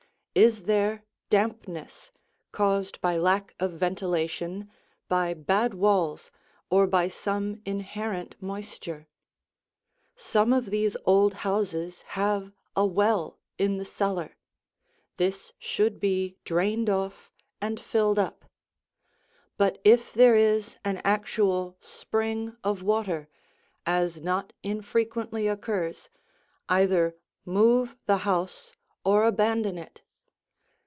Is there dampness, caused by lack of ventilation, by bad walls, or by some inherent moisture? Some of these old houses have a well in the cellar; this should be drained off and filled up. But if there is an actual spring of water, as not infrequently occurs, either move the house or abandon it.